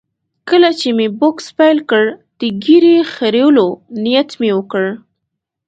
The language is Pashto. کله چې مې بوکس پیل کړ، د ږیرې خریلو نیت مې وکړ.